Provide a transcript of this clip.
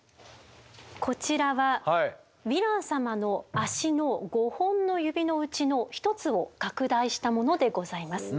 こちらはヴィラン様の足の５本の指のうちの１つを拡大したものでございます。